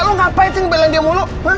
lu ngapain sih ngebelain dia mulu